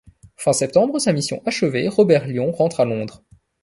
Fin septembre, sa mission achevée, Robert Lyon rentre à Londres.